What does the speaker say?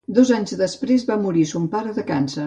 Dos anys després va morir son pare de càncer.